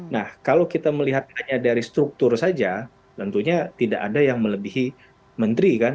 nah kalau kita melihat hanya dari struktur saja tentunya tidak ada yang melebihi menteri kan